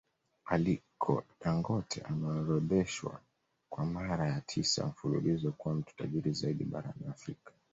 Aliko Dangote ameorodheshwa kwa mara ya tisa mfululizo kuwa mtu tajiri zaidi barani Afrika